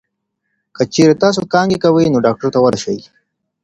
که چېرې تاسو کانګې کوئ، نو ډاکټر ته ورشئ.